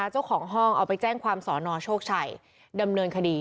เจ้าของห้องเอาไปแจ้งความสอนอโชคชัยดำเนินคดี